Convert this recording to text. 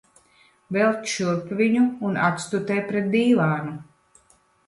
Velc šurp viņu un atstutē pret dīvānu.